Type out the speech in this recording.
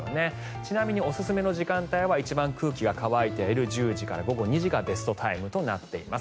ちなみにおすすめの時間帯は一番空気が乾いている１０時から午後２時がベストタイムとなっています。